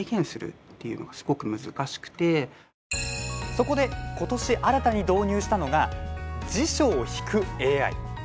そこで今年、新たに導入したのが辞書を引くＡＩ。